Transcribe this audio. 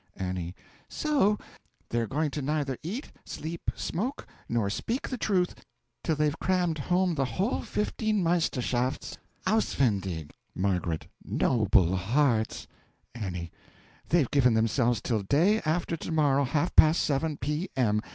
A. So they're going to neither eat, sleep, smoke, nor speak the truth till they've crammed home the whole fifteen Meisterschafts auswendig! M. Noble hearts! A. They've given themselves till day after to morrow, half past 7 P.M.